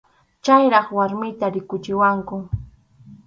Chayraq warmiyta rikuchiwanku.